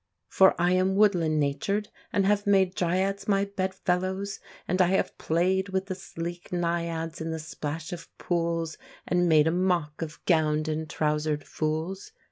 For I am woodland natured, and have made Dryads my bedfellows, And I have played With the sleek Naiads in the splash of pools And made a mock of gowned and trousered fools.